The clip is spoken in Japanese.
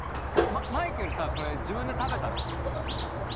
マイケルさこれ自分で食べたの？